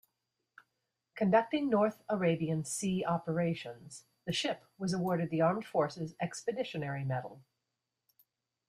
Conducting North Arabian Sea operations, the ship was awarded the Armed Forces Expeditionary Medal.